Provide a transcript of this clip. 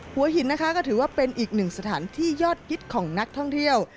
หัวหินนะคะก็ถือว่าเป็นอีกหนึ่งสถานที่ยอดฮิตของนักท่องเที่ยว